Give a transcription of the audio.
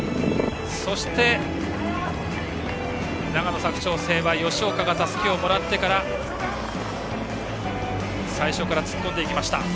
そして、長野・佐久長聖は吉岡がたすきをもらってから最初から突っ込んでいきました。